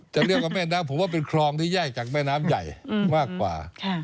จะเรียกว่าแม่น้ำผมว่าเป็นคลองที่แยกจากแม่น้ำใหญ่มากกว่า